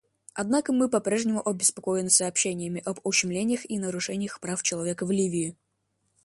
Однако мы по-прежнему обеспокоены сообщениями об ущемлениях и нарушениях прав человека в Ливии.